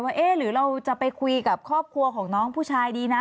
ว่าเอ๊ะหรือเราจะไปคุยกับครอบครัวของน้องผู้ชายดีนะ